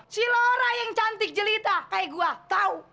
si laura yang cantik jelita kayak gua tau